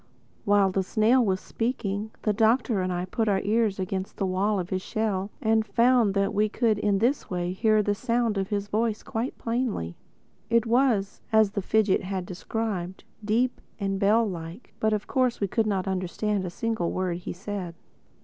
While the snail was speaking, the Doctor and I put our ears against the wall of his shell and found that we could in this way hear the sound of his voice quite plainly. It was, as the fidgit had described, deep and bell like. But of course we could not understand a single word he said.